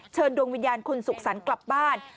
ดวงวิญญาณคุณสุขสรรค์กลับบ้าน